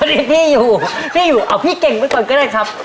วันนี้พี่อยู่พี่อยู่เอาพี่เก่งไปก่อนก็ได้ครับ